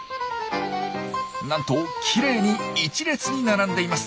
なんときれいに１列に並んでいます。